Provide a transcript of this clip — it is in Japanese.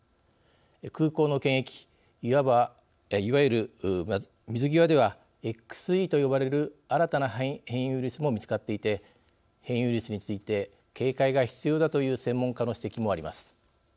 空港の検疫いわゆる、水際ではＸＥと呼ばれる新たな変異ウイルスも見つかっていて変異ウイルスについて警戒が必要だという専門家の指摘もあります。